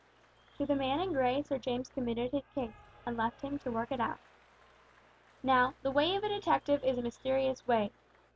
To the man in grey Sir James committed his case, and left him to work it out. Now, the way of a detective is a mysterious way.